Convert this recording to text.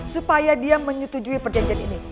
supaya dia menyetujui perjanjian ini